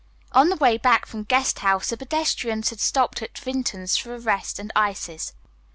On the way back from Guest House the pedestrians had stopped at Vinton's for a rest and ices.